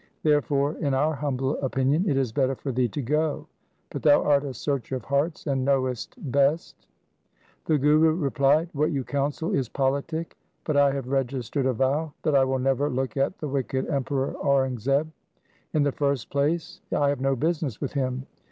Therefore in our humble opinion it is better for thee to go. But thou art a searcher of hearts, and knowest best.' The Guru replied, ' What you counsel is politic, but I have registered a vow that I will never look at the wicked Emperor Aurangzeb. In the first place, I have no business with him.